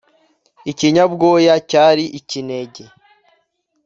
Ikinyabwoya cyari ikinege